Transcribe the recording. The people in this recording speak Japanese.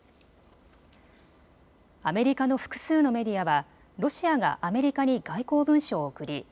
アメリカの複数のメディアはロシアがアメリカに外交文書を送り